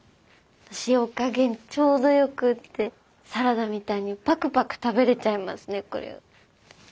塩加減ちょうどよくてサラダみたいにパクパク食べれちゃいますねこれ。